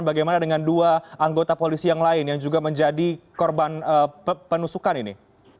bagaimana dengan dua anggota polisi yang lain yang juga menjadi korban penusukan ini